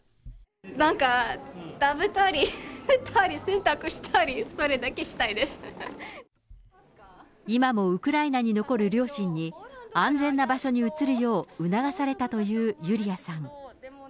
なんか、食べたり、寝たり、洗濯したり、今もウクライナに残る両親に、安全な場所に移るよう促されたというユリアさん。